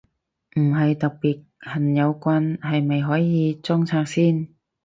唔係特別恨有棍，係咪可以裝拆先？